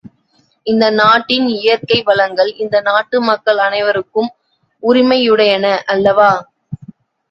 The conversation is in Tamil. இந்த நாட்டின் இயற்கை வளங்கள் இந்த நாட்டு மக்கள் அனைவருக்கும் உரிமையுடையன அல்லவா?